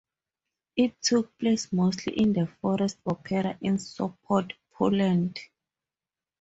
It took place mostly in the Forest Opera in Sopot, Poland.